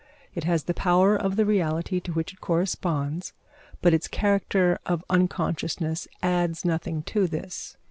It has the power of the reality to which it corresponds, but its character of unconsciousness adds nothing to this.